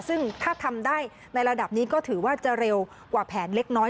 ซึ่งถ้าทำได้ในระดับนี้ก็ถือว่าจะเร็วกว่าแผนเล็กน้อย